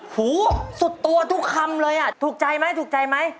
หูสุดตัวทุกคำเลยอ่ะถูกใจไหมถูกใจไหม